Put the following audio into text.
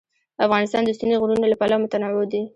افغانستان د ستوني غرونه له پلوه متنوع دی.